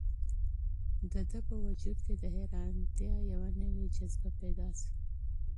د ده په وجود کې د حیرانتیا یوه نوې جذبه پیدا شوه.